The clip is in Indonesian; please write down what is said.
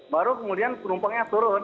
baru kemudian penumpangnya turun